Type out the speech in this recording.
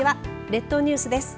列島ニュースです。